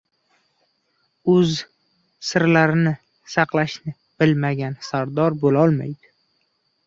• O‘z sirlarini saqlashni bilmagan sardor bo‘lolmaydi.